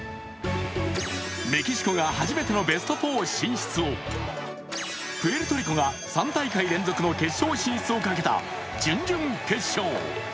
メキシコが初めてのベスト４進出をプエルトリコが３大会連続の決勝進出をかけた準々決勝。